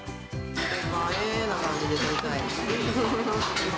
映えーな感じで撮りたいですね。